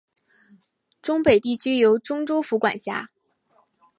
忠北地区由忠州府管辖。